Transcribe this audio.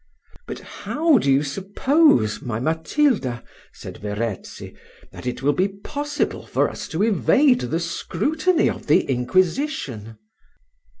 "But how do you suppose, my Matilda," said Verezzi, "that it will be possible for us to evade the scrutiny of the inquisition?"